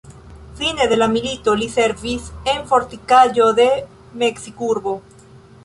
Fine de la milito, li servis en fortikaĵo de Meksikurbo.